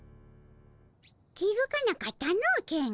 気付かなかったのケン。